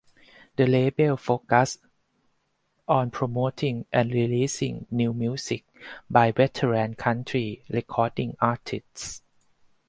The label focused on promoting and releasing new music by veteran country recording artists.